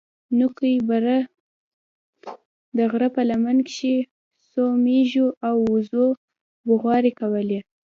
نوكي بره د غره په لمن کښې څو مېږو او وزو بوغارې کولې.